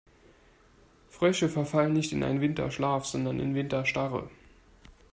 Frösche verfallen nicht in einen Winterschlaf, sondern in Winterstarre.